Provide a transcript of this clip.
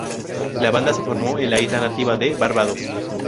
La banda se formó en la isla nativa de Barbados.